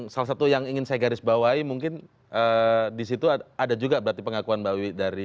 salah satu yang ingin saya garisbawahi mungkin disitu ada juga berarti pengakuan mbak wi